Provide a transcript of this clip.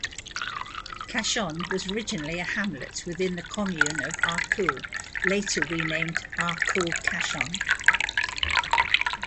Cachan was originally a hamlet within the commune of Arcueil, later renamed "Arcueil-Cachan".